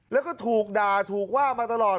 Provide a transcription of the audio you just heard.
แล้วก็ถูกด่าถูกว่ามาตลอด